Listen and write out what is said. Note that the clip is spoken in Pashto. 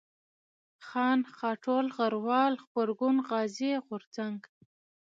خان ، غاټول ، غروال ، غبرگون ، غازي ، غورځنگ